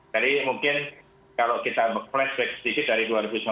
jadi mungkin kalau kita flashback sedikit dari dua ribu sembilan belas